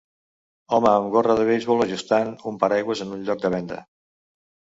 Home amb gorra de beisbol ajustant un paraigües en un lloc de venda.